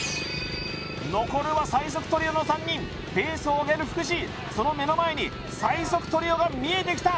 残るは最速トリオの３人ペースを上げる福士その目の前に最速トリオが見えてきた！